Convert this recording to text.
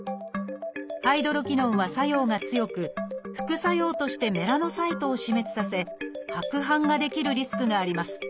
ハイドロキノンは作用が強く副作用としてメラノサイトを死滅させ白斑が出来るリスクがあります。